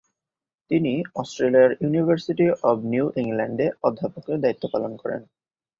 তিনি অস্ট্রেলিয়ার university of New ইংল্যান্ডে অধ্যাপকের দায়িত্ব পালন করেন।